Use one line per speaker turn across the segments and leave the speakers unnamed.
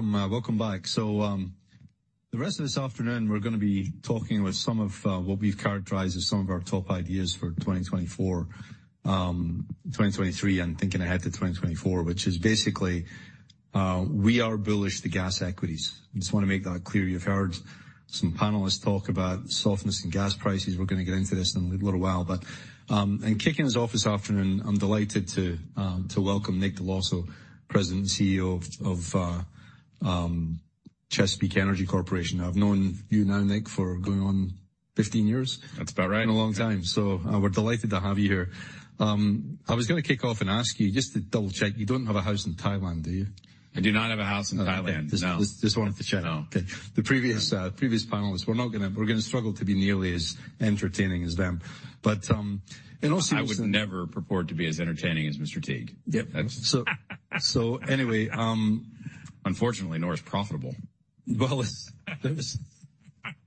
Welcome back. So the rest of this afternoon, we're going to be talking with some of what we've characterized as some of our top ideas for 2024, 2023, and thinking ahead to 2024, which is basically, we are bullish on the gas equities. I just want to make that clear. You've heard some panelists talk about softness in gas prices. We're going to get into this in a little while. But in kicking us off this afternoon, I'm delighted to welcome Nick Dell'Osso, President and CEO of Chesapeake Energy Corporation. I've known you now, Nick, for going on 15 years.
That's about right.
Been a long time. So we're delighted to have you here. I was going to kick off and ask you, just to double-check, you don't have a house in Thailand, do you?
I do not have a house in Thailand.
No.
No.
Just wanted to check.
No.
Okay. The previous panelists, we're going to struggle to be nearly as entertaining as them. But in all seriousness.
I would never purport to be as entertaining as Mr. Teague.
Yep, so anyway.
Unfortunately, nor is it profitable.
We're going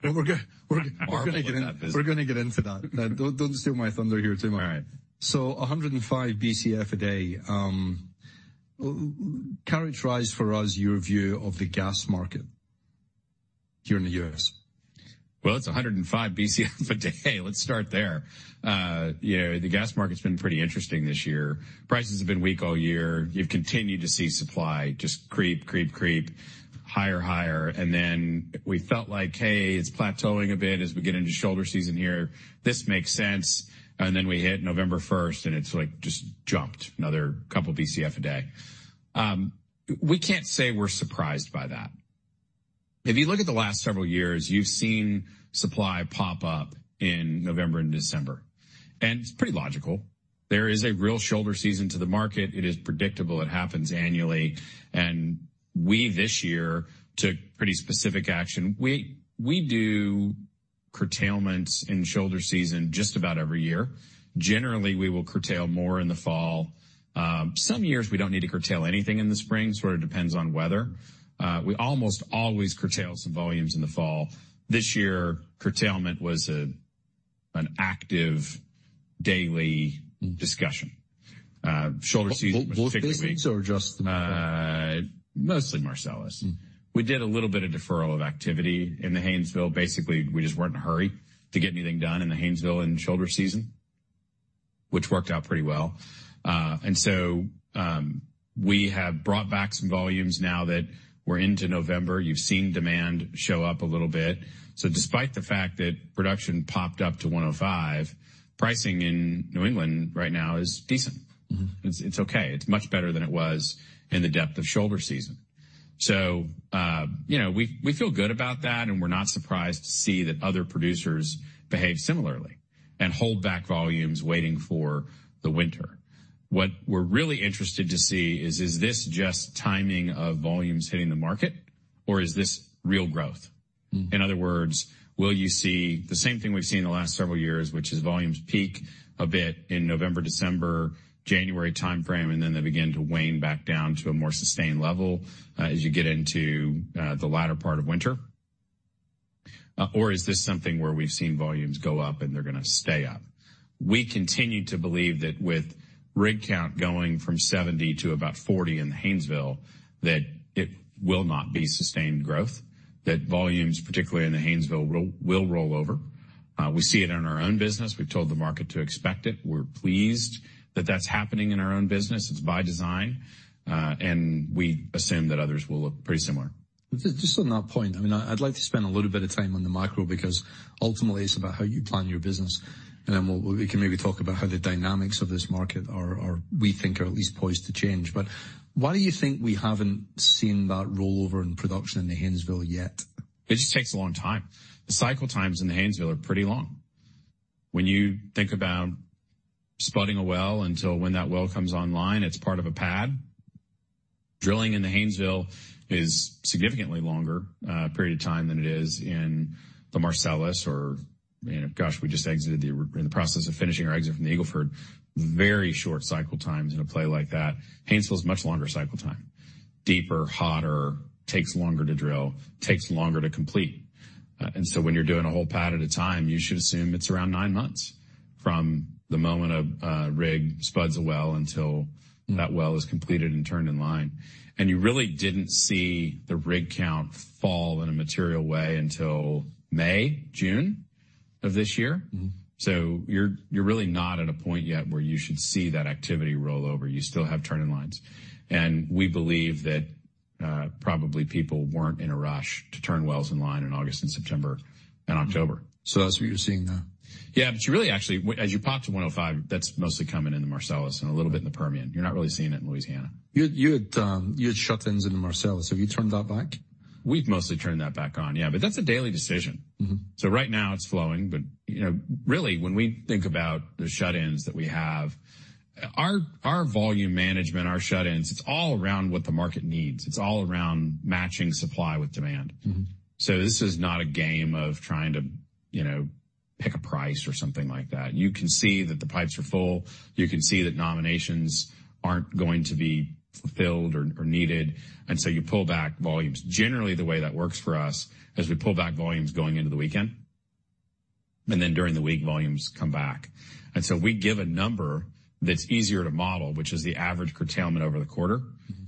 to get into that.
We're going to get into that.
Don't steal my thunder here Jim.
All right.
So, 105 BCF a day. Just summarize for us, your view of the gas market here in the U.S.
It's 105 BCF a day. Let's start there. The gas market's been pretty interesting this year. Prices have been weak all year. You've continued to see supply just creep, creep, creep, higher, higher. And then we felt like, hey, it's plateauing a bit as we get into shoulder season here. This makes sense. And then we hit November 1st, and it's just jumped another couple of BCF a day. We can't say we're surprised by that. If you look at the last several years, you've seen supply pop up in November and December. And it's pretty logical. There is a real shoulder season to the market. It is predictable. It happens annually. And we this year took pretty specific action. We do curtailments in shoulder season just about every year. Generally, we will curtail more in the fall. Some years we don't need to curtail anything in the spring. It sort of depends on weather. We almost always curtail some volumes in the fall. This year, curtailment was an active daily discussion. Shoulder season's particularly weak.
Was it or just the Marcellus?
Mostly Marcellus. We did a little bit of deferral of activity in the Haynesville. Basically, we just weren't in a hurry to get anything done in the Haynesville in shoulder season, which worked out pretty well, and so we have brought back some volumes now that we're into November. You've seen demand show up a little bit, so despite the fact that production popped up to 105, pricing in New England right now is decent. It's okay. It's much better than it was in the depth of shoulder season, so we feel good about that, and we're not surprised to see that other producers behave similarly and hold back volumes waiting for the winter. What we're really interested to see is, is this just timing of volumes hitting the market, or is this real growth? In other words, will you see the same thing we've seen in the last several years, which is volumes peak a bit in November, December, January timeframe, and then they begin to wane back down to a more sustained level as you get into the latter part of winter? Or is this something where we've seen volumes go up and they're going to stay up? We continue to believe that with rig count going from 70 to about 40 in the Haynesville, that it will not be sustained growth, that volumes, particularly in the Haynesville, will roll over. We see it in our own business. We've told the market to expect it. We're pleased that that's happening in our own business. It's by design. And we assume that others will look pretty similar.
Just on that point, I mean, I'd like to spend a little bit of time on the macro because ultimately, it's about how you plan your business. And then we can maybe talk about how the dynamics of this market are, we think, are at least poised to change. But why do you think we haven't seen that rollover in production in the Haynesville yet?
It just takes a long time. The cycle times in the Haynesville are pretty long. When you think about spudding a well until when that well comes online, it's part of a pad. Drilling in the Haynesville is a significantly longer period of time than it is in the Marcellus or, gosh, we just exited the process of finishing our exit from the Eagle Ford. Very short cycle times in a play like that. Haynesville is a much longer cycle time. Deeper, hotter, takes longer to drill, takes longer to complete. And so when you're doing a whole pad at a time, you should assume it's around nine months from the moment a rig spuds a well until that well is completed and turned in line. And you really didn't see the rig count fall in a material way until May, June of this year. So you're really not at a point yet where you should see that activity rollover. You still have turn-in lines. And we believe that probably people weren't in a rush to turn wells in line in August and September and October.
So that's what you're seeing now?
Yeah. But you really actually, as you pop to 105, that's mostly coming in the Marcellus and a little bit in the Permian. You're not really seeing it in Louisiana.
You had shut-ins in the Marcellus. Have you turned that back?
We've mostly turned that back on, yeah, but that's a daily decision, so right now, it's flowing. But really, when we think about the shut-ins that we have, our volume management, our shut-ins, it's all around what the market needs. It's all around matching supply with demand, so this is not a game of trying to pick a price or something like that. You can see that the pipes are full. You can see that nominations aren't going to be fulfilled or needed, and so you pull back volumes. Generally, the way that works for us is we pull back volumes going into the weekend, and then during the week, volumes come back, and so we give a number that's easier to model, which is the average curtailment over the quarter,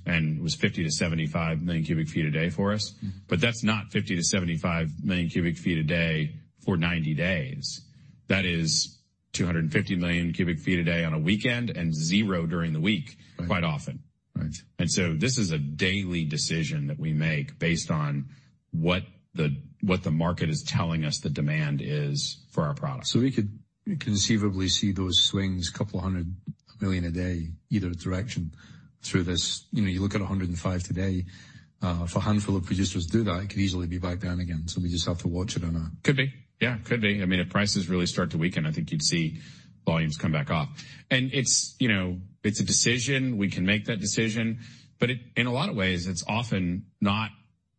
and it was 50-75 million cubic feet a day for us. But that's not 50 to 75 million cubic feet a day for 90 days. That is 250 million cubic feet a day on a weekend and zero during the week quite often. And so this is a daily decision that we make based on what the market is telling us the demand is for our product.
So we could conceivably see those swings a couple hundred million a day, either direction, through this. You look at 105 today. If a handful of producers do that, it could easily be back down again. So we just have to watch it on a.
Could be. Yeah, could be. I mean, if prices really start to weaken, I think you'd see volumes come back off. And it's a decision. We can make that decision. But in a lot of ways, it's often not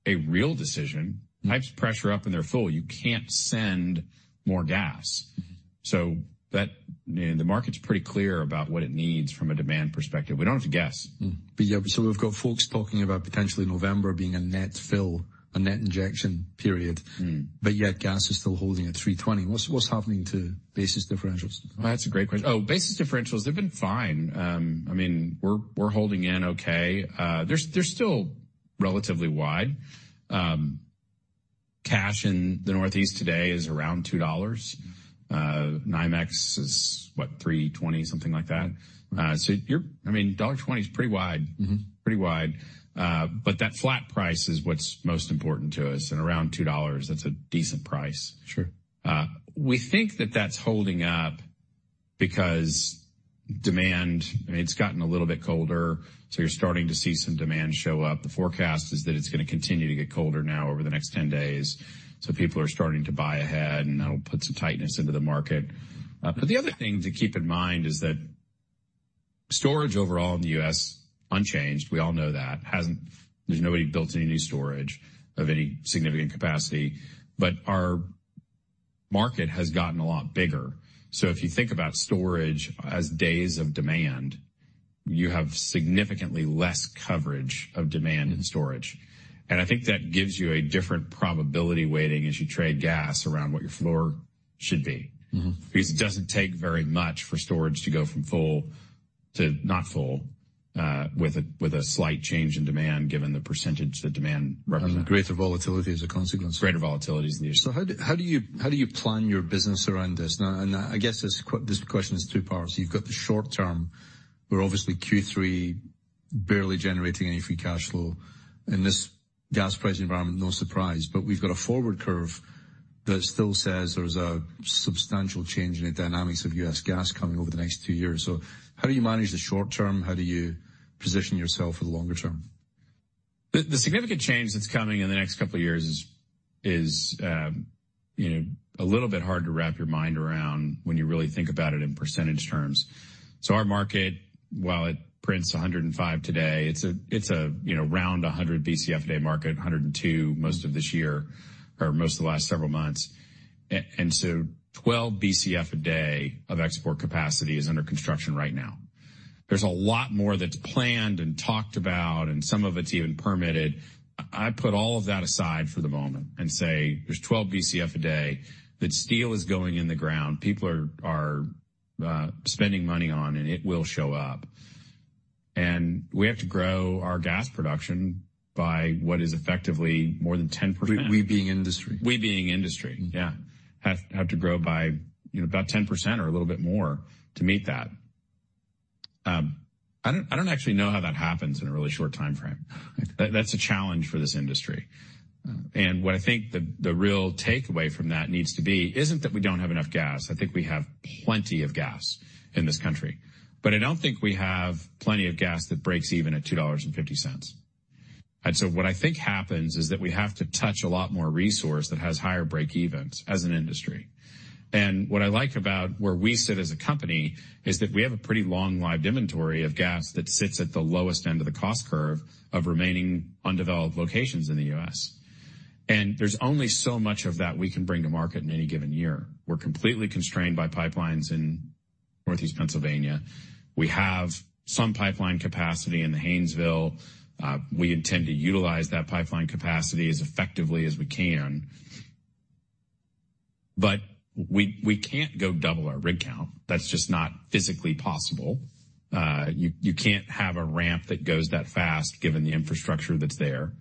a real decision. Pipes pressure up and they're full. You can't send more gas. So the market's pretty clear about what it needs from a demand perspective. We don't have to guess.
But yeah, so we've got folks talking about potentially November being a net fill, a net injection period. But yet gas is still holding at $3.20. What's happening to basis differentials?
That's a great question. Oh, basis differentials, they've been fine. I mean, we're holding in okay. They're still relatively wide. Cash in the Northeast today is around $2. NYMEX is, what, 3.20, something like that. So I mean, $1.20 is pretty wide. Pretty wide. But that flat price is what's most important to us. And around $2, that's a decent price. We think that that's holding up because demand, I mean, it's gotten a little bit colder. So you're starting to see some demand show up. The forecast is that it's going to continue to get colder now over the next 10 days. So people are starting to buy ahead, and that'll put some tightness into the market. But the other thing to keep in mind is that storage overall in the U.S., unchanged, we all know that. There's nobody built any new storage of any significant capacity. But our market has gotten a lot bigger. So if you think about storage as days of demand, you have significantly less coverage of demand and storage. And I think that gives you a different probability weighting as you trade gas around what your floor should be. Because it doesn't take very much for storage to go from full to not full with a slight change in demand given the percentage that demand represents.
Greater volatility as a consequence.
Greater volatility is the issue.
So how do you plan your business around this? And I guess this question is two parts. You've got the short term. We're obviously Q3 barely generating any free cash flow. In this gas price environment, no surprise. But we've got a forward curve that still says there's a substantial change in the dynamics of U.S. gas coming over the next two years. So how do you manage the short term? How do you position yourself for the longer term?
The significant change that's coming in the next couple of years is a little bit hard to wrap your mind around when you really think about it in percentage terms. So our market, while it prints 105 today, it's a round 100 BCF a day market, 102 most of this year or most of the last several months. And so 12 BCF a day of export capacity is under construction right now. There's a lot more that's planned and talked about, and some of it's even permitted. I put all of that aside for the moment and say there's 12 BCF a day that steel is going in the ground, people are spending money on, and it will show up. And we have to grow our gas production by what is effectively more than 10%.
We being industry.
We, being industry, yeah, have to grow by about 10% or a little bit more to meet that. I don't actually know how that happens in a really short timeframe. That's a challenge for this industry. And what I think the real takeaway from that needs to be isn't that we don't have enough gas. I think we have plenty of gas in this country. But I don't think we have plenty of gas that breaks even at $2.50. And so what I think happens is that we have to touch a lot more resource that has higher break-evens as an industry. And what I like about where we sit as a company is that we have a pretty long-life inventory of gas that sits at the lowest end of the cost curve of remaining undeveloped locations in the U.S. And there's only so much of that we can bring to market in any given year. We're completely constrained by pipelines in Northeast Pennsylvania. We have some pipeline capacity in the Haynesville. We intend to utilize that pipeline capacity as effectively as we can. But we can't go double our rig count. That's just not physically possible. You can't have a ramp that goes that fast given the infrastructure that's there.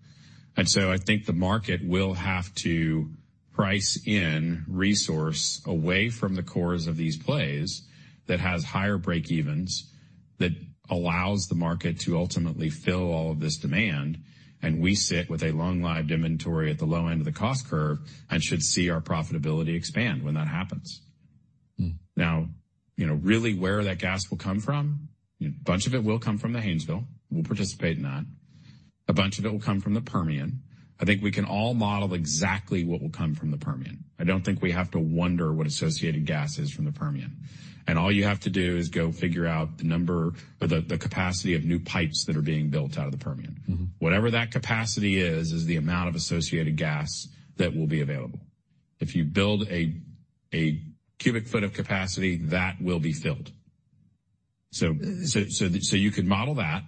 And so I think the market will have to price in resource away from the cores of these plays that has higher break-evens that allows the market to ultimately fill all of this demand. And we sit with a long live inventory at the low end of the cost curve and should see our profitability expand when that happens. Now, really where that gas will come from, a bunch of it will come from the Haynesville. We'll participate in that. A bunch of it will come from the Permian. I think we can all model exactly what will come from the Permian. I don't think we have to wonder what associated gas is from the Permian. And all you have to do is go figure out the number or the capacity of new pipes that are being built out of the Permian. Whatever that capacity is, is the amount of associated gas that will be available. If you build a cubic foot of capacity, that will be filled. So you could model that,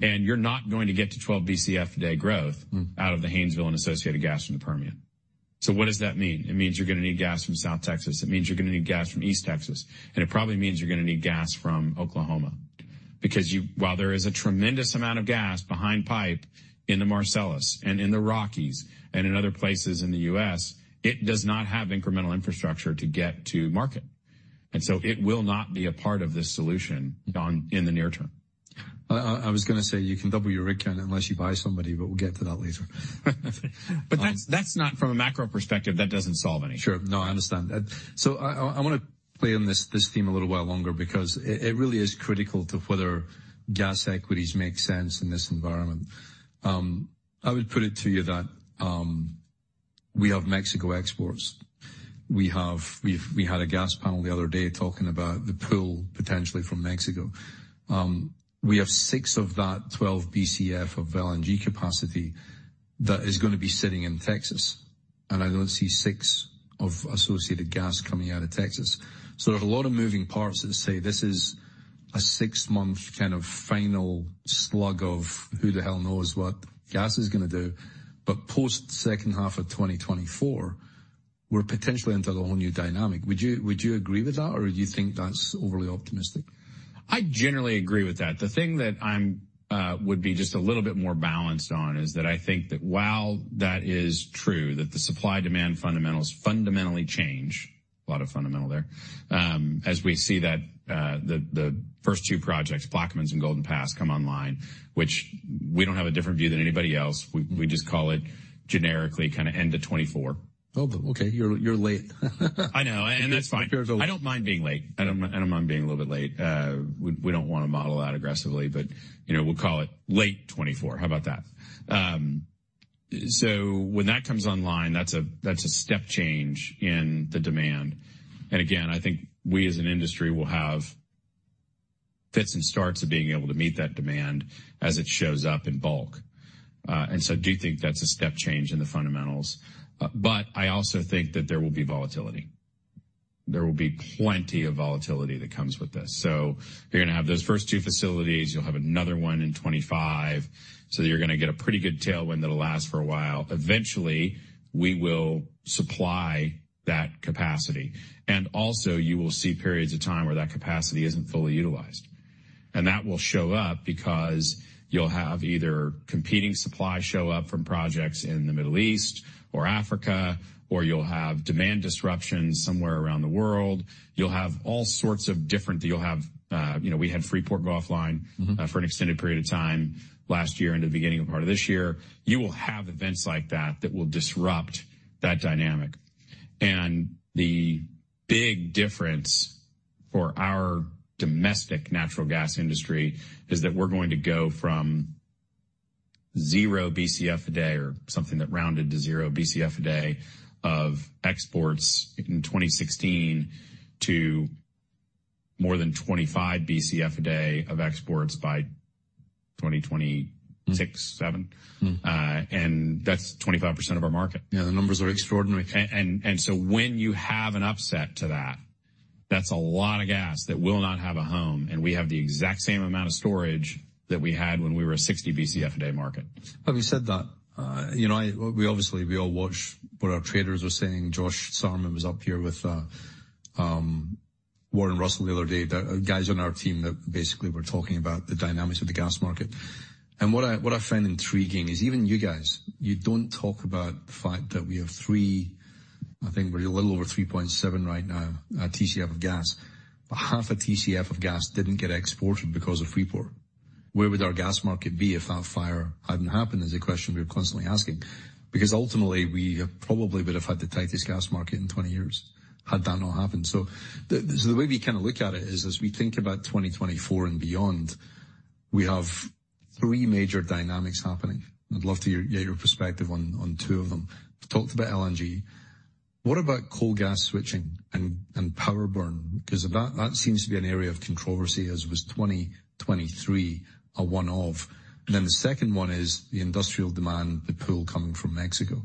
and you're not going to get to 12 BCF a day growth out of the Haynesville and associated gas from the Permian. So what does that mean? It means you're going to need gas from South Texas. It means you're going to need gas from East Texas. It probably means you're going to need gas from Oklahoma. Because while there is a tremendous amount of gas behind pipe in the Marcellus and in the Rockies and in other places in the U.S., it does not have incremental infrastructure to get to market. So it will not be a part of this solution in the near term.
I was going to say you can double your rig count unless you buy somebody, but we'll get to that later.
But that's not from a macro perspective. That doesn't solve anything.
Sure. No, I understand. So I want to play on this theme a little while longer because it really is critical to whether gas equities make sense in this environment. I would put it to you that we have Mexico exports. We had a gas panel the other day talking about the pull potentially from Mexico. We have six of that 12 BCF of LNG capacity that is going to be sitting in Texas. And I don't see six of associated gas coming out of Texas. So there are a lot of moving parts that say this is a six-month kind of final slug of who the hell knows what gas is going to do. But post second half of 2024, we're potentially into a whole new dynamic. Would you agree with that, or do you think that's overly optimistic?
I generally agree with that. The thing that I would be just a little bit more balanced on is that I think that while that is true, that the supply-demand fundamentals fundamentally change, a lot of fundamental there, as we see that the first two projects, Plaquemines and Golden Pass, come online, which we don't have a different view than anybody else. We just call it generically kind of end of 2024.
Oh, okay. You're late.
I know. And that's fine. I don't mind being late. I don't mind being a little bit late. We don't want to model that aggressively, but we'll call it late 2024. How about that? So when that comes online, that's a step change in the demand. And again, I think we as an industry will have fits and starts of being able to meet that demand as it shows up in bulk. And so I do think that's a step change in the fundamentals. But I also think that there will be volatility. There will be plenty of volatility that comes with this. So you're going to have those first two facilities. You'll have another one in 2025. So you're going to get a pretty good tailwind that'll last for a while. Eventually, we will supply that capacity. And also, you will see periods of time where that capacity isn't fully utilized. And that will show up because you'll have either competing supply show up from projects in the Middle East or Africa, or you'll have demand disruptions somewhere around the world. You'll have all sorts of different. We had Freeport go offline for an extended period of time last year into the beginning of part of this year. You will have events like that that will disrupt that dynamic. And the big difference for our domestic natural gas industry is that we're going to go from zero BCF a day or something that rounded to zero BCF a day of exports in 2016 to more than 25 BCF a day of exports by 2026, 2027. And that's 25% of our market.
Yeah, the numbers are extraordinary.
So when you have an upset to that, that's a lot of gas that will not have a home. We have the exact same amount of storage that we had when we were a 60 BCF a day market.
Well, you said that. We obviously, we all watch what our traders are saying. Josh Sherman was up here with Warren Russell the other day. Guys on our team that basically were talking about the dynamics of the gas market. And what I find intriguing is even you guys, you don't talk about the fact that we have three, I think we're a little over 3.7 right now, TCF of gas. But 0.5 TCF of gas didn't get exported because of Freeport. Where would our gas market be if that fire hadn't happened is a question we're constantly asking. Because ultimately, we probably would have had the tightest gas market in 20 years had that not happened. So the way we kind of look at it is as we think about 2024 and beyond, we have three major dynamics happening. I'd love to get your perspective on two of them. We talked about LNG. What about coal gas switching and power burn? Because that seems to be an area of controversy, as was 2023 a one-off. And then the second one is the industrial demand, the pool coming from Mexico.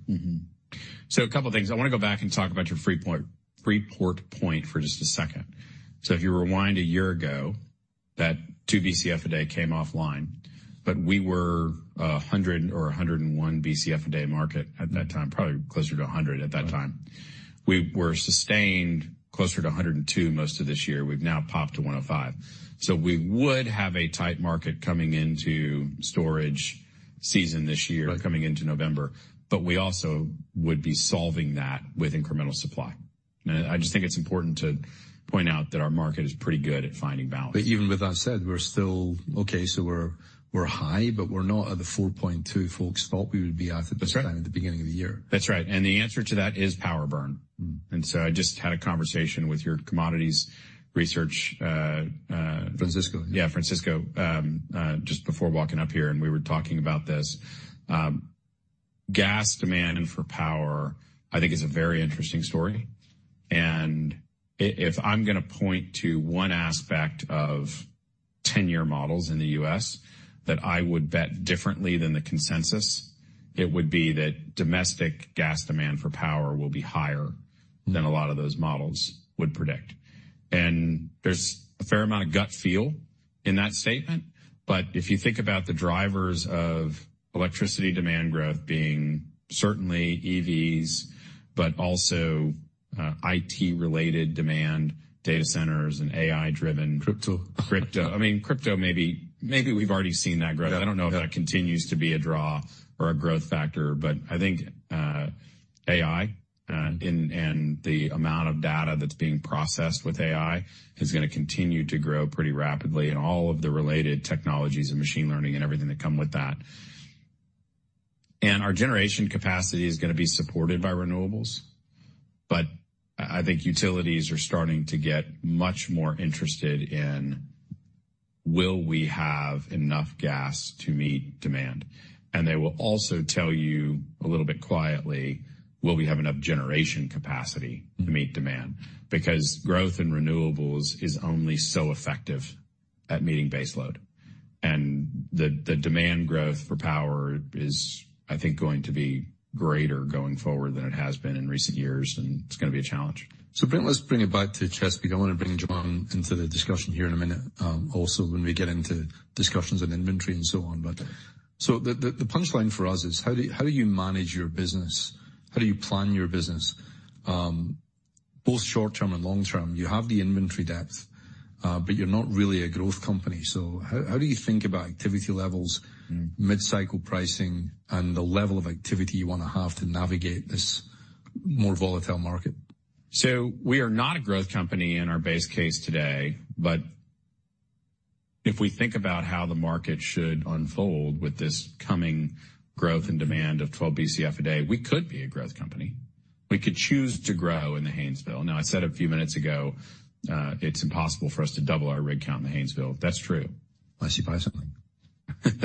So a couple of things. I want to go back and talk about your Freeport point for just a second. So if you rewind a year ago, that 2 BCF a day came offline. But we were 100 or 101 BCF a day market at that time, probably closer to 100 at that time. We were sustained closer to 102 most of this year. We've now popped to 105. So we would have a tight market coming into storage season this year, coming into November. But we also would be solving that with incremental supply. And I just think it's important to point out that our market is pretty good at finding balance.
But even with that said, we're still okay. So we're high, but we're not at the $4.2 folks thought we would be at at the beginning of the year.
That's right, and the answer to that is power burn, and so I just had a conversation with your commodities research.
Francisco.
Yeah, Francisco, just before walking up here and we were talking about this. Gas demand for power, I think, is a very interesting story and if I'm going to point to one aspect of 10-year models in the U.S. that I would bet differently than the consensus, it would be that domestic gas demand for power will be higher than a lot of those models would predict and there's a fair amount of gut feel in that statement but if you think about the drivers of electricity demand growth being certainly EVs, but also IT-related demand, data centers, and AI-driven.
Crypto.
Crypto. I mean, crypto, maybe we've already seen that growth. I don't know if that continues to be a draw or a growth factor, but I think AI and the amount of data that's being processed with AI is going to continue to grow pretty rapidly and all of the related technologies and machine learning and everything that come with that, and our generation capacity is going to be supported by renewables. But I think utilities are starting to get much more interested in, will we have enough gas to meet demand? And they will also tell you a little bit quietly, will we have enough generation capacity to meet demand? Because growth in renewables is only so effective at meeting baseload, and the demand growth for power is, I think, going to be greater going forward than it has been in recent years. It's going to be a challenge.
So let's bring it back to Chesapeake. I want to bring John into the discussion here in a minute, also when we get into discussions on inventory and so on, so the punchline for us is, how do you manage your business? How do you plan your business? Both short-term and long-term, you have the inventory depth, but you're not really a growth company, so how do you think about activity levels, mid-cycle pricing, and the level of activity you want to have to navigate this more volatile market?
So we are not a growth company in our base case today. But if we think about how the market should unfold with this coming growth and demand of 12 BCF a day, we could be a growth company. We could choose to grow in the Haynesville. Now, I said a few minutes ago, it's impossible for us to double our rig count in the Haynesville. That's true.
I see why some think.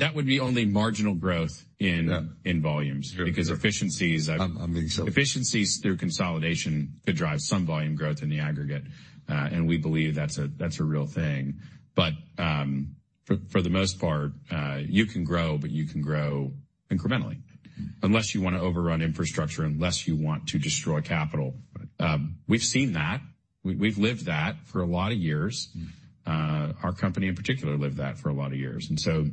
That would be only marginal growth in volumes because efficiencies.
I'm being sold.
Efficiencies through consolidation could drive some volume growth in the aggregate, and we believe that's a real thing, but for the most part, you can grow, but you can grow incrementally unless you want to overrun infrastructure, unless you want to destroy capital. We've seen that. We've lived that for a lot of years. Our company in particular lived that for a lot of years, and so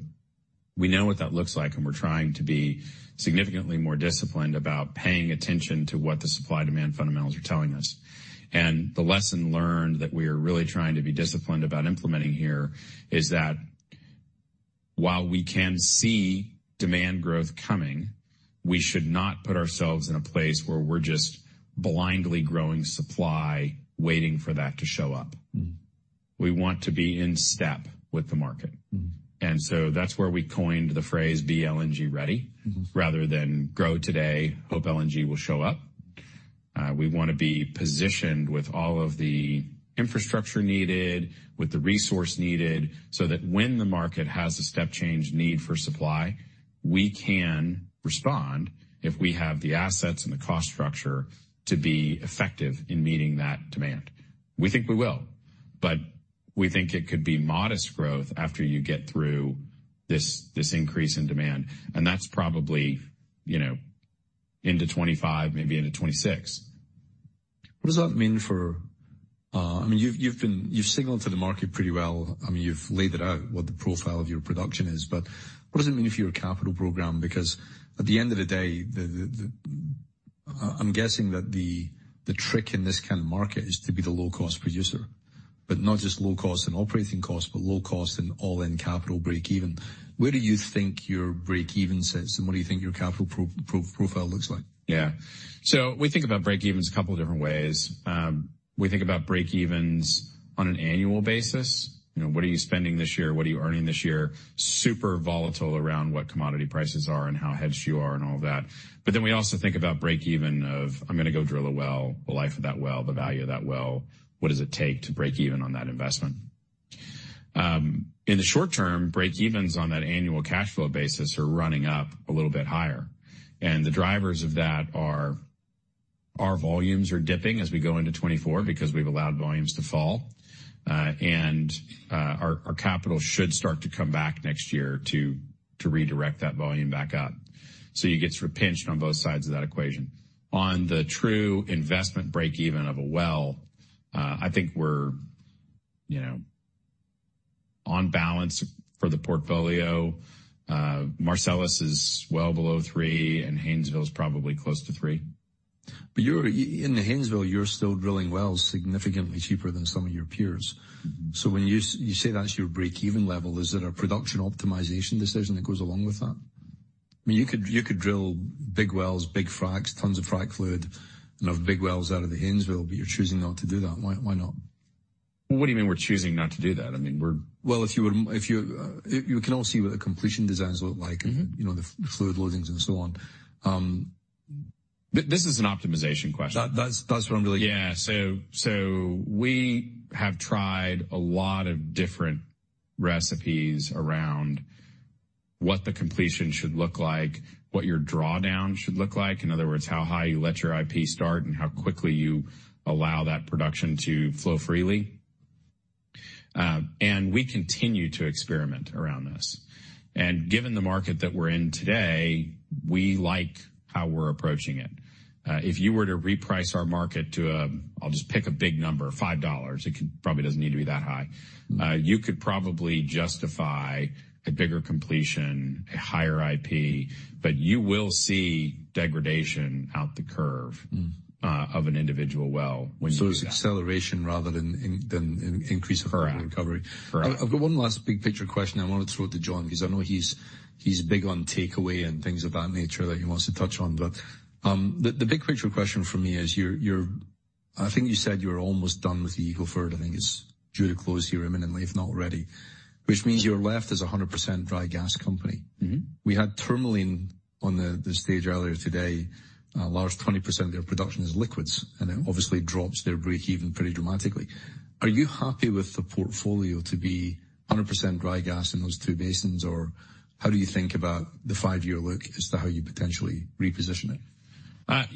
we know what that looks like, and we're trying to be significantly more disciplined about paying attention to what the supply-demand fundamentals are telling us, and the lesson learned that we are really trying to be disciplined about implementing here is that while we can see demand growth coming, we should not put ourselves in a place where we're just blindly growing supply waiting for that to show up. We want to be in step with the market. So that's where we coined the phrase be LNG ready rather than grow today, hope LNG will show up. We want to be positioned with all of the infrastructure needed, with the resource needed so that when the market has a step change need for supply, we can respond if we have the assets and the cost structure to be effective in meeting that demand. We think we will. But we think it could be modest growth after you get through this increase in demand. And that's probably into 2025, maybe into 2026.
What does that mean for, I mean, you've signaled to the market pretty well. I mean, you've laid it out, what the profile of your production is. But what does it mean for your capital program? Because at the end of the day, I'm guessing that the trick in this kind of market is to be the low-cost producer. But not just low cost and operating cost, but low cost and all-in capital break-even. Where do you think your break-even sits? And what do you think your capital profile looks like?
Yeah. So we think about break-evens a couple of different ways. We think about break-evens on an annual basis. What are you spending this year? What are you earning this year? Super volatile around what commodity prices are and how hedged you are and all of that, but then we also think about break-even of, I'm going to go drill a well, the life of that well, the value of that well, what does it take to break-even on that investment? In the short term, break-evens on that annual cash flow basis are running up a little bit higher, and the drivers of that are our volumes are dipping as we go into 2024 because we've allowed volumes to fall. And our capital should start to come back next year to redirect that volume back up, so you get sort of pinched on both sides of that equation. On the true investment break-even of a well, I think we're on balance for the portfolio. Marcellus is well below three, and Haynesville is probably close to three.
But in the Haynesville, you're still drilling wells significantly cheaper than some of your peers. So when you say that's your break-even level, is it a production optimization decision that goes along with that? I mean, you could drill big wells, big fracs, tons of frac fluid, and have big wells out of the Haynesville, but you're choosing not to do that. Why not?
What do you mean we're choosing not to do that? I mean, we're.
If you can all see what the completion designs look like, the fluid loadings and so on.
This is an optimization question.
That's what I'm really getting.
Yeah. So we have tried a lot of different recipes around what the completion should look like, what your drawdown should look like. In other words, how high you let your IP start and how quickly you allow that production to flow freely. And we continue to experiment around this. And given the market that we're in today, we like how we're approaching it. If you were to reprice our market to a, I'll just pick a big number, $5, it probably doesn't need to be that high. You could probably justify a bigger completion, a higher IP, but you will see degradation out the curve of an individual well when you do.
So it's acceleration rather than increase of recovery.
Correct.
I've got one last big picture question. I want to throw it to John because I know he's big on takeaway and things of that nature that he wants to touch on. But the big picture question for me is, I think you said you're almost done with the Eagle Ford. I think it's due to close here imminently, if not already, which means you're left as a 100% dry gas company. We had Tourmaline on the stage earlier today. Last 20% of their production is liquids. And it obviously drops their break-even pretty dramatically. Are you happy with the portfolio to be 100% dry gas in those two basins? Or how do you think about the five-year look as to how you potentially reposition it?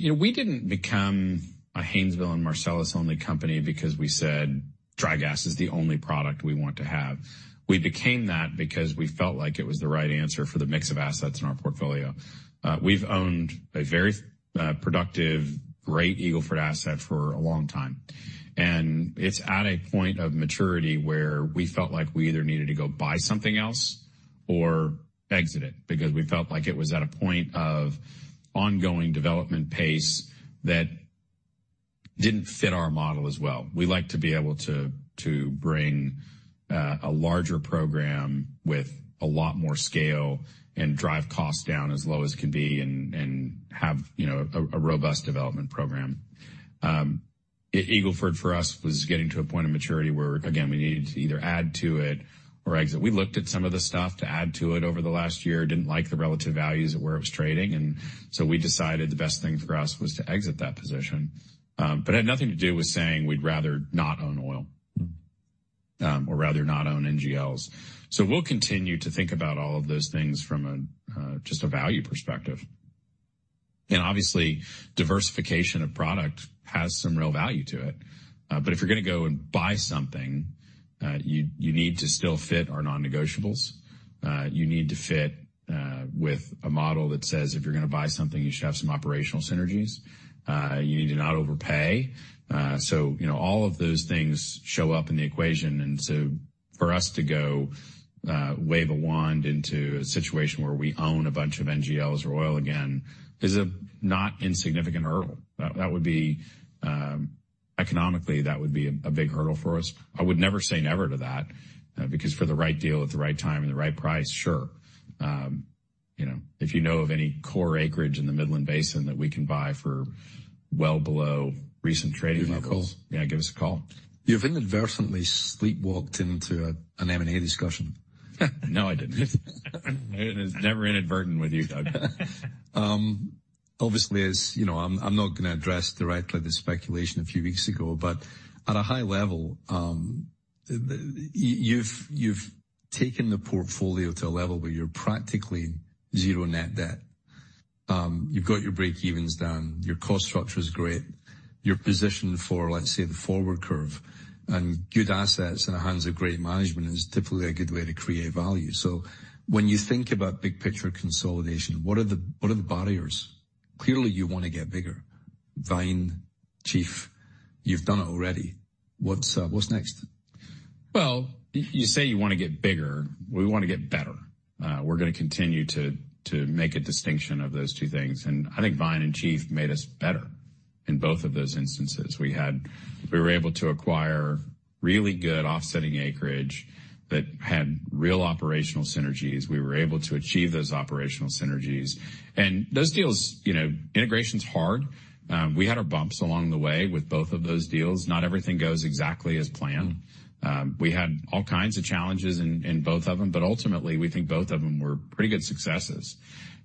We didn't become a Haynesville and Marcellus-only company because we said dry gas is the only product we want to have. We became that because we felt like it was the right answer for the mix of assets in our portfolio. We've owned a very productive, great Eagle Ford asset for a long time, and it's at a point of maturity where we felt like we either needed to go buy something else or exit it because we felt like it was at a point of ongoing development pace that didn't fit our model as well. We like to be able to bring a larger program with a lot more scale and drive costs down as low as can be and have a robust development program. Eagle Ford, for us, was getting to a point of maturity where, again, we needed to either add to it or exit. We looked at some of the stuff to add to it over the last year, didn't like the relative values at where it was trading. And so we decided the best thing for us was to exit that position. But it had nothing to do with saying we'd rather not own oil or rather not own NGLs. So we'll continue to think about all of those things from just a value perspective. And obviously, diversification of product has some real value to it. But if you're going to go and buy something, you need to still fit our non-negotiables. You need to fit with a model that says if you're going to buy something, you should have some operational synergies. You need to not overpay. So all of those things show up in the equation. And so for us to go wave a wand into a situation where we own a bunch of NGLs or oil again is a not insignificant hurdle. That would be economically, that would be a big hurdle for us. I would never say never to that because for the right deal at the right time and the right price, sure. If you know of any core acreage in the Midland Basin that we can buy for well below recent trading levels.
Give me a call.
Yeah, give us a call.
You've inadvertently sleepwalked into an M&A discussion.
No, I didn't. It's never inadvertent with you, Doug.
Obviously, I'm not going to address directly the speculation a few weeks ago. But at a high level, you've taken the portfolio to a level where you're practically zero net debt. You've got your break-evens down. Your cost structure is great. You're positioned for, let's say, the forward curve. And good assets in the hands of great management is typically a good way to create value. So when you think about big picture consolidation, what are the barriers? Clearly, you want to get bigger. Vine, Chief, you've done it already. What's next?
You say you want to get bigger. We want to get better. We're going to continue to make a distinction of those two things. I think Vine and Chief made us better in both of those instances. We were able to acquire really good offsetting acreage that had real operational synergies. We were able to achieve those operational synergies. Those deals, integration's hard. We had our bumps along the way with both of those deals. Not everything goes exactly as planned. We had all kinds of challenges in both of them. Ultimately, we think both of them were pretty good successes.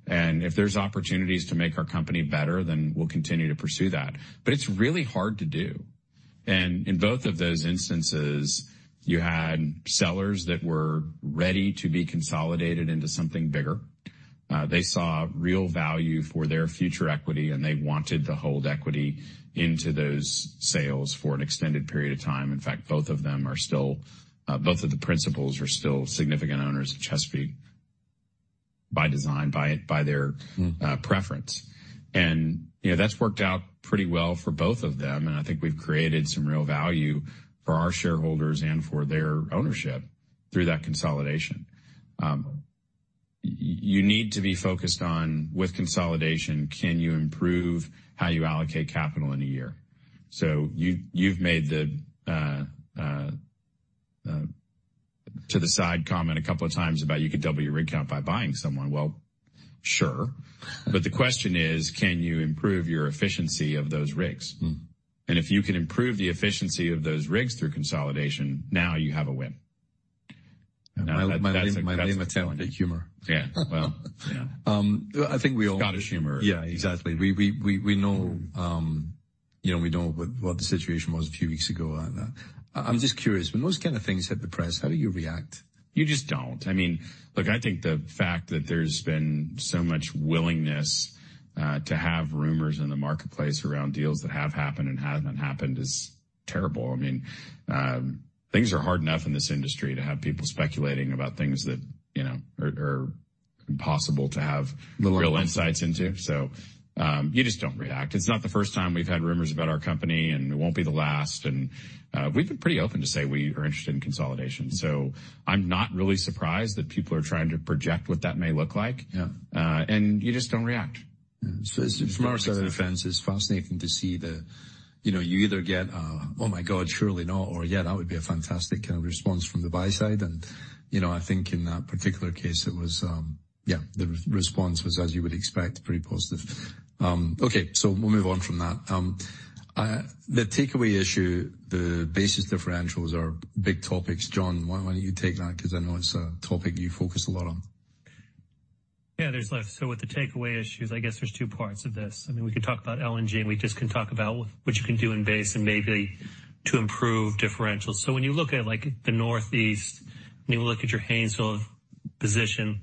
If there's opportunities to make our company better, then we'll continue to pursue that. It's really hard to do. In both of those instances, you had sellers that were ready to be consolidated into something bigger. They saw real value for their future equity. And they wanted to hold equity into those sales for an extended period of time. In fact, both of the principals are still significant owners of Chesapeake by design, by their preference. And that's worked out pretty well for both of them. And I think we've created some real value for our shareholders and for their ownership through that consolidation. You need to be focused on, with consolidation, can you improve how you allocate capital in a year? So you've made the to the side comment a couple of times about you could double your rig count by buying someone. Well, sure. But the question is, can you improve your efficiency of those rigs? And if you can improve the efficiency of those rigs through consolidation, now you have a win.
That is a big humor.
Yeah, well, yeah.
I think we all.
Got a rumor.
Yeah, exactly. We know what the situation was a few weeks ago. I'm just curious. When those kind of things hit the press, how do you react?
You just don't. I mean, look, I think the fact that there's been so much willingness to have rumors in the marketplace around deals that have happened and haven't happened is terrible. I mean, things are hard enough in this industry to have people speculating about things that are impossible to have real insights into. So you just don't react. It's not the first time we've had rumors about our company. And it won't be the last. And we've been pretty open to say we are interested in consolidation. So I'm not really surprised that people are trying to project what that may look like. And you just don't react.
So from our side of the fence, it's fascinating to see the you either get, "Oh my God, surely not," or, "Yeah, that would be a fantastic kind of response from the buy side." And I think in that particular case, it was, yeah, the response was, as you would expect, pretty positive. Okay. So we'll move on from that. The takeaway issue, the basis differentials are big topics. John, why don't you take that because I know it's a topic you focus a lot on?
Yeah, there's lift. So with the takeaway issues, I guess there's two parts of this. I mean, we could talk about LNG, and we just can talk about what you can do in basin and maybe to improve differentials. So when you look at the Northeast, when you look at your Haynesville position,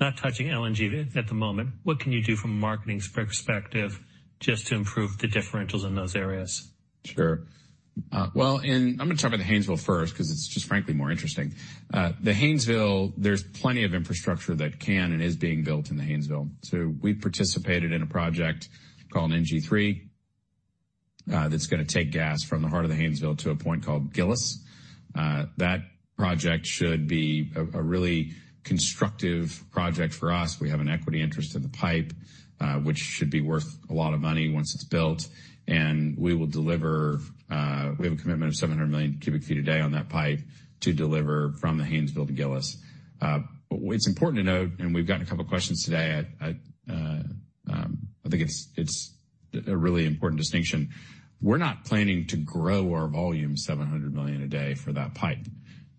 not touching LNG at the moment, what can you do from a marketing perspective just to improve the differentials in those areas?
Sure. Well, and I'm going to talk about the Haynesville first because it's just frankly more interesting. The Haynesville, there's plenty of infrastructure that can and is being built in the Haynesville. So we've participated in a project called NG3 that's going to take gas from the heart of the Haynesville to a point called Gillis. That project should be a really constructive project for us. We have an equity interest in the pipe, which should be worth a lot of money once it's built. And we will deliver. We have a commitment of 700 million cubic feet a day on that pipe to deliver from the Haynesville to Gillis. It's important to note, and we've gotten a couple of questions today. I think it's a really important distinction. We're not planning to grow our volume 700 million a day for that pipe.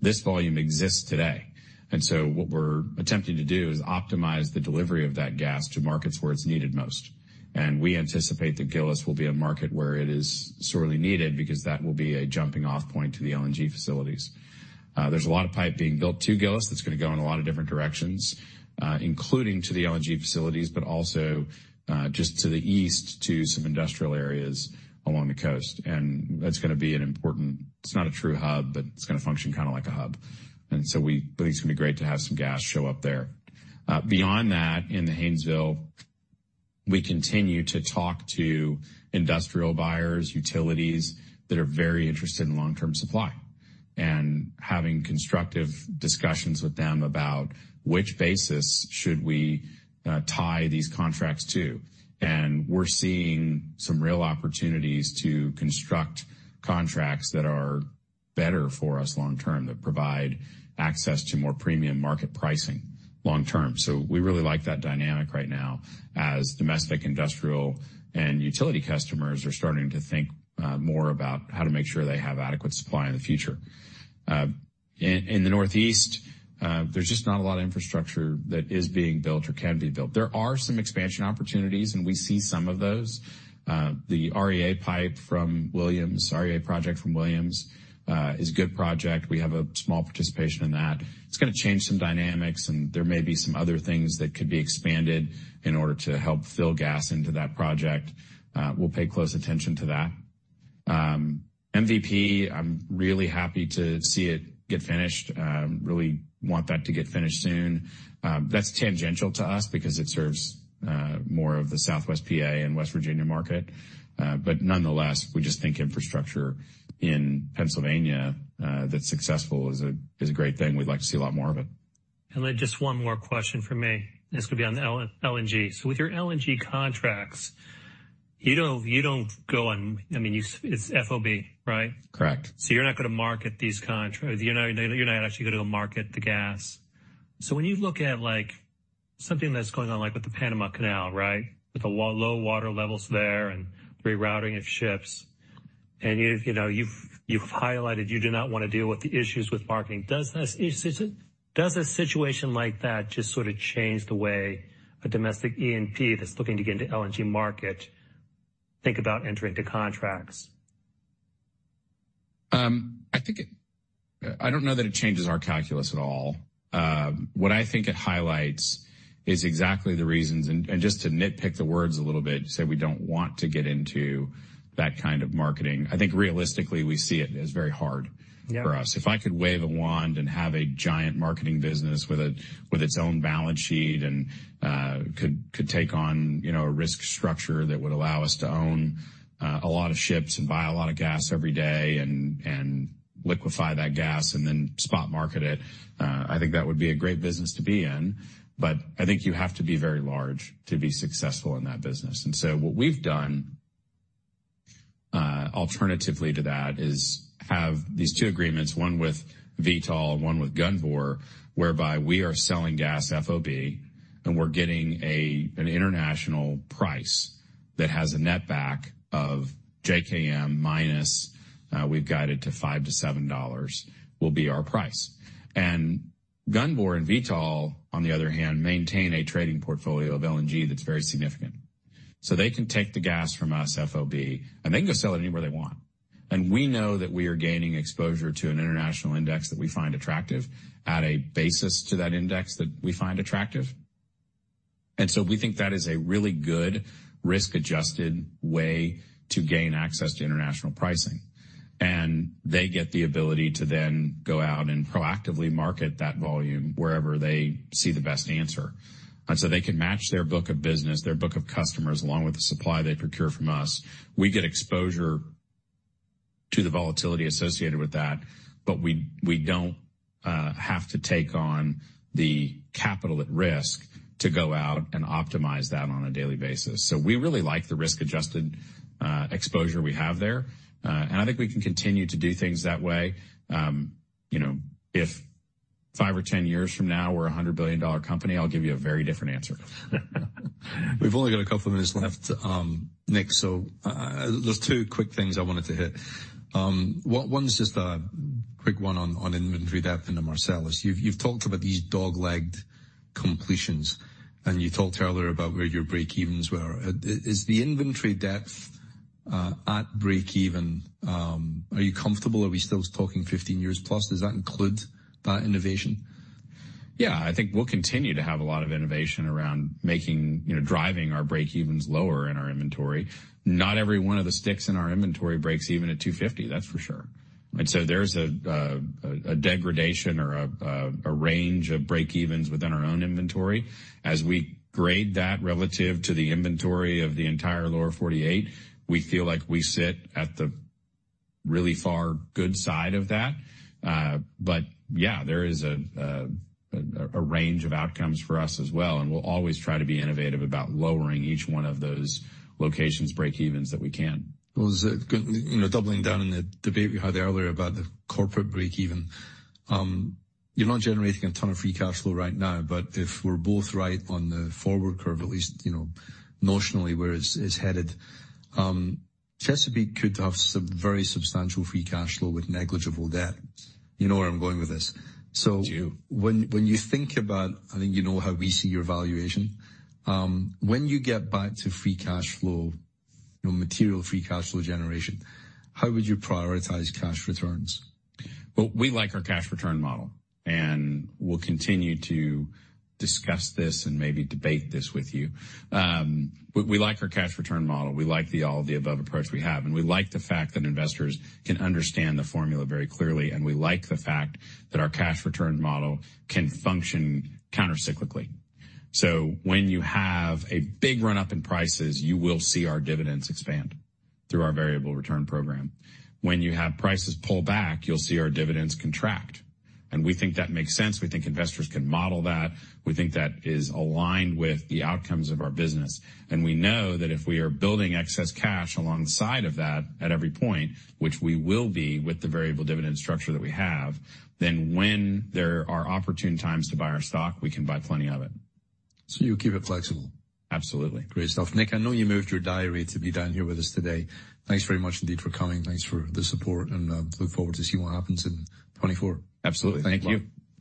This volume exists today. And so what we're attempting to do is optimize the delivery of that gas to markets where it's needed most. We anticipate that Gillis will be a market where it is sorely needed because that will be a jumping-off point to the LNG facilities. There's a lot of pipe being built to Gillis that's going to go in a lot of different directions, including to the LNG facilities, but also just to the east to some industrial areas along the coast. That's going to be an important. It's not a true hub, but it's going to function kind of like a hub. We think it's going to be great to have some gas show up there. Beyond that, in the Haynesville, we continue to talk to industrial buyers, utilities that are very interested in long-term supply and having constructive discussions with them about which basis should we tie these contracts to. And we're seeing some real opportunities to construct contracts that are better for us long-term that provide access to more premium market pricing long-term. So we really like that dynamic right now as domestic industrial and utility customers are starting to think more about how to make sure they have adequate supply in the future. In the Northeast, there's just not a lot of infrastructure that is being built or can be built. There are some expansion opportunities, and we see some of those. The REA pipe from Williams, REA project from Williams, is a good project. We have a small participation in that. It's going to change some dynamics, and there may be some other things that could be expanded in order to help fill gas into that project. We'll pay close attention to that. MVP, I'm really happy to see it get finished. Really want that to get finished soon. That's tangential to us because it serves more of the Southwest PA and West Virginia market. But nonetheless, we just think infrastructure in Pennsylvania that's successful is a great thing. We'd like to see a lot more of it.
And then just one more question for me. This could be on LNG. So with your LNG contracts, you don't go on. I mean, it's FOB, right?
Correct.
You're not going to market these contracts. You're not actually going to market the gas. When you look at something that's going on with the Panama Canal, right, with the low water levels there and rerouting of ships, and you've highlighted you do not want to deal with the issues with marketing. Does a situation like that just sort of change the way a domestic E&P that's looking to get into the LNG market think about entering the contracts?
I don't know that it changes our calculus at all. What I think it highlights is exactly the reasons. And just to nitpick the words a little bit, you said we don't want to get into that kind of marketing. I think realistically, we see it as very hard for us. If I could wave a wand and have a giant marketing business with its own balance sheet and could take on a risk structure that would allow us to own a lot of ships and buy a lot of gas every day and liquefy that gas and then spot market it, I think that would be a great business to be in. But I think you have to be very large to be successful in that business. And so what we've done alternatively to that is have these two agreements, one with Vitol and one with Gunvor, whereby we are selling gas FOB, and we're getting an international price that has a netback of JKM minus we've guided to $5-$7 will be our price. And Gunvor and Vitol, on the other hand, maintain a trading portfolio of LNG that's very significant. So they can take the gas from us FOB, and they can go sell it anywhere they want. And we know that we are gaining exposure to an international index that we find attractive at a basis to that index that we find attractive. And so we think that is a really good risk-adjusted way to gain access to international pricing. And they get the ability to then go out and proactively market that volume wherever they see the best answer. And so they can match their book of business, their book of customers, along with the supply they procure from us. We get exposure to the volatility associated with that, but we don't have to take on the capital at risk to go out and optimize that on a daily basis. So we really like the risk-adjusted exposure we have there. And I think we can continue to do things that way. If five or 10 years from now, we're a $100 billion company, I'll give you a very different answer.
We've only got a couple of minutes left, Nick. So there's two quick things I wanted to hit. One's just a quick one on inventory depth into Marcellus. You've talked about these dog-legged completions, and you told Taylor about where your break-evens were. Is the inventory depth at break-even, are you comfortable? Are we still talking 15 years plus? Does that include that innovation?
Yeah. I think we'll continue to have a lot of innovation around driving our break-evens lower in our inventory. Not every one of the sticks in our inventory breaks even at $2.50, that's for sure. And so there's a degradation or a range of break-evens within our own inventory. As we grade that relative to the inventory of the entire Lower 48, we feel like we sit at the really far good side of that. But yeah, there is a range of outcomes for us as well. And we'll always try to be innovative about lowering each one of those locations' break-evens that we can.
Doubling down on the debate we had earlier about the corporate break-even, you're not generating a ton of free cash flow right now. But if we're both right on the forward curve, at least notionally where it's headed, Chesapeake could have some very substantial free cash flow with negligible debt. You know where I'm going with this.
I do.
When you think about, I think you know how we see your valuation, when you get back to free cash flow, material free cash flow generation, how would you prioritize cash returns?
Well, we like our cash return model. And we'll continue to discuss this and maybe debate this with you. We like our cash return model. We like all the above approach we have. And we like the fact that investors can understand the formula very clearly. And we like the fact that our cash return model can function countercyclically. So when you have a big run-up in prices, you will see our dividends expand through our variable return program. When you have prices pull back, you'll see our dividends contract. And we think that makes sense. We think investors can model that. We think that is aligned with the outcomes of our business. We know that if we are building excess cash alongside of that at every point, which we will be with the variable dividend structure that we have, then when there are opportune times to buy our stock, we can buy plenty of it.
You'll keep it flexible.
Absolutely.
Great stuff. Nick, I know you moved your diary to be down here with us today. Thanks very much indeed for coming. Thanks for the support and look forward to seeing what happens in 2024.
Absolutely. Thank you.